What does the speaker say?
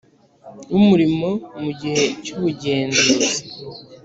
W umurimo mu gihe cy ubugenzuzi